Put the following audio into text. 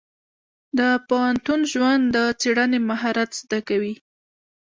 د پوهنتون ژوند د څېړنې مهارت زده کوي.